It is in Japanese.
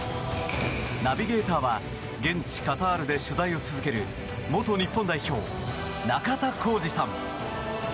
ナビゲーターは現地カタールで取材を続ける元日本代表、中田浩二さん。